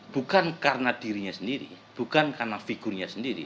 bukan karena dirinya sendiri bukan karena figurnya sendiri